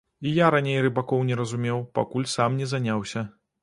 І я раней рыбакоў не разумеў, пакуль сам не заняўся.